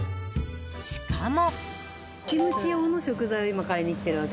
しかも。